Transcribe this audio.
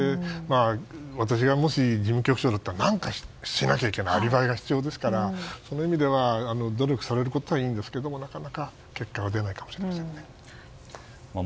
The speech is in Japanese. そして私がもし事務局長だったら何かしないといけないアリバイが必要ですからそういう意味では努力されることはいいんですけど、なかなか結果は出ないかもしれませんね。